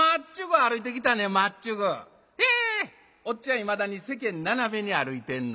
いまだに世間斜めに歩いてんの。